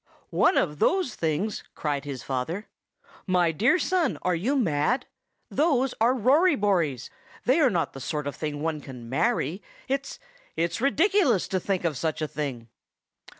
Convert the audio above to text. "One of those things!" cried his father. "My dear son, are you mad? Those are Rory Bories; they are not the sort of thing one can marry. It's—it's ridiculous to think of such a thing."